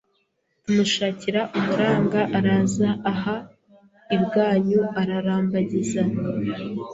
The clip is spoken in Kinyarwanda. Tumushakira umuranga araza aha ibwanyu ararambagiza